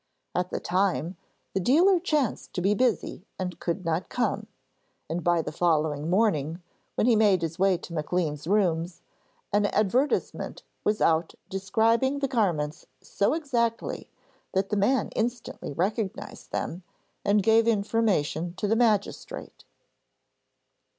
At the time, the dealer chanced to be busy and could not come, and by the following morning, when he made his way to Maclean's rooms, an advertisement was out describing the garments so exactly that the man instantly recognised them, and gave information to the magistrate.